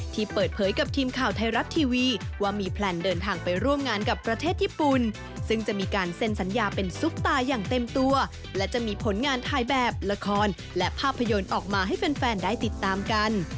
ที่เปิดเผยกับทีมข่าวไทยรัฐทีวีว่ามีแพลนเดินทางไปร่วมงานกับประเทศญี่ปุ่นซึ่งจะมีการเซ็นสัญญาเป็นซุปตาอย่างเต็มตัวและจะมีผลงานถ่ายแบบละครและภาพยนตร์ออกมาให้แฟนได้ติดตามกัน